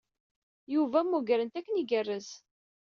Yuba mmugren-t akken igerrez.